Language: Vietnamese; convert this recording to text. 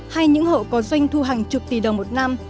hay những hộ có doanh thu hàng chục tỷ đồng một năm